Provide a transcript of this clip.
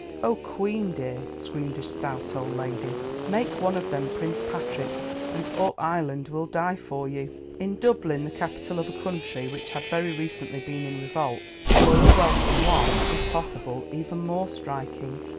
"Oh! Queen, dear!" screamed a stout old lady, "make one of them Prince Patrick, and all Ireland will die for you." In Dublin, the capital of a country which had very recently been in revolt, the loyal welcome was, if possible, even more striking.